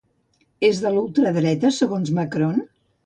És de la ultradreta segons Macron?